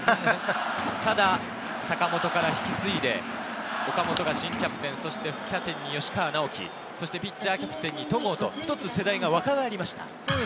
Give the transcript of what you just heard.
ただ坂本から引き継いで、岡本が新キャプテン、そして副キャプテンに吉川尚輝、そしてピッチャーキャプテンに戸郷と、世代が一つ若返りました。